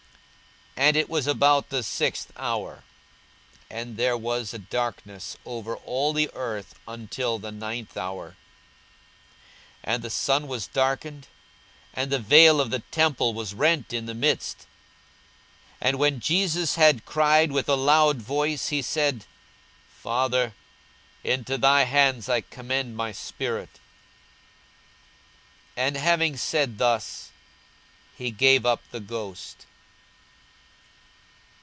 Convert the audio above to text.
42:023:044 And it was about the sixth hour, and there was a darkness over all the earth until the ninth hour. 42:023:045 And the sun was darkened, and the veil of the temple was rent in the midst. 42:023:046 And when Jesus had cried with a loud voice, he said, Father, into thy hands I commend my spirit: and having said thus, he gave up the ghost.